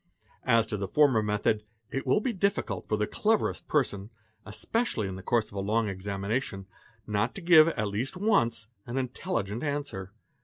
As to the former method, it will be difficult for the cleverest person, pan meeseenys ce Ha especially in the course of a long examination, not to give, at least once, _ an intelligent answer.